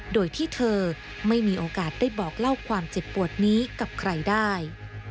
โดยที่เธอไม่มีโอกาสได้บอกเล่าความเจ็บปวดนี้กับใครได้